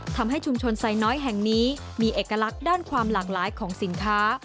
ทำให้ชุมชนไซน้อยแห่งนี้มีเอกลักษณ์ด้านความหลากหลายของสินค้า